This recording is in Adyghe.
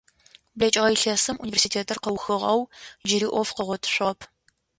БлэкӀыгъэ илъэсым университетыр къыухыгъ ау джыри Ӏоф къыгъотышъугъэп.